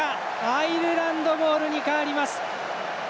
アイルランドボールに変わります。